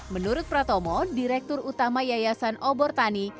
menurut pratomo direktur utama yayasan obor tani